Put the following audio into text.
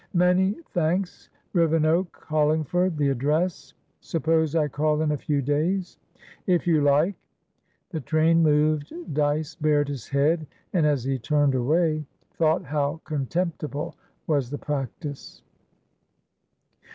"Many thanks! Rivenoak, Hollingford, the address? Suppose I call in a few days?" "If you like." The train moved. Dyce bared his head, and, as he turned away, thought how contemptible was the practice.